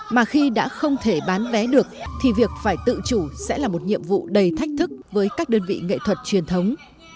mà khi đã không thể bán vé được thì việc phải tự chủ sẽ là một nhiệm vụ đầy thách thức với các đơn vị nghệ thuật truyền thống